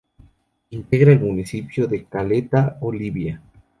Integra el municipio de Caleta Olivia.